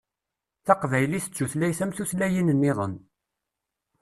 Taqbaylit d tutlayt am tutlayin-nniḍen.